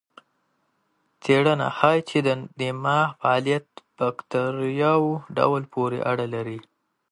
څېړنه ښيي چې د دماغ فعالیت د بکتریاوو ډول پورې اړه لري.